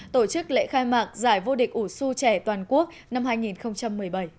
tổ chức lễ khai mạc giải vô địch ủ su trẻ toàn quốc năm hai nghìn một mươi bảy